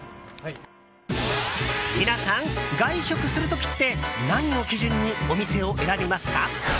皆さん、外食する時って何を基準にお店を選びますか？